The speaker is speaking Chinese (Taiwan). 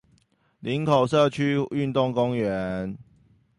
林口社區運動公園